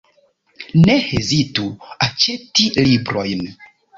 Ne hezitu aĉeti librojn!